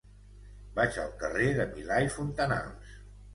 Vaig al carrer de Milà i Fontanals.